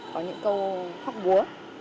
có những câu khóc búa